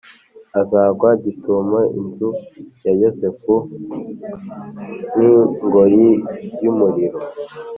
azagwa gitumo inzu ya Yozefu nk’inkongi y’umuriro,